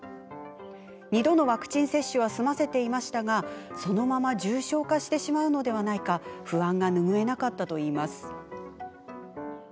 ２度のワクチン接種は済ませていましたがそのまま重症化してしまうのではないか不安が拭えなかったといいます。